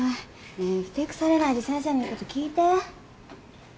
ねえふてくされないで先生の言うこと聞いて。